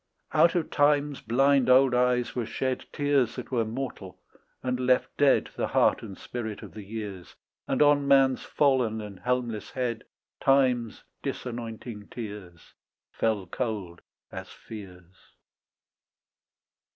Out of time's blind old eyes were shed Tears that were mortal, and left dead The heart and spirit of the years, And on mans fallen and helmless head Time's disanointing tears Fell cold as fears.